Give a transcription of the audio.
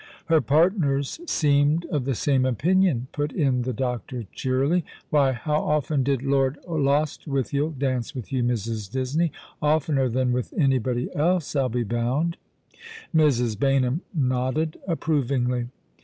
*' Her partners seemed of the same opinion," put in tho doctor, cheerily. " Why, how often did Lord Lostwithiel dance with you, Mrs. Disney ? Oftener than with anybody else, I'll be bound." Mrs. Baynham nodded approvingly.